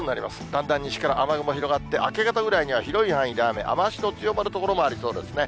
だんだん西から雨雲広がって、明け方ぐらいには広い範囲で雨、雨足の強まる所もありそうですね。